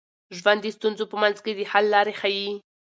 ژوند د ستونزو په منځ کي د حل لارې ښيي.